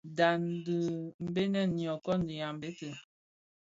Ndhañ di Benèn, nyokon, yambette.